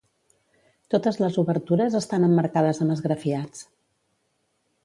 Totes les obertures estan emmarcades amb esgrafiats.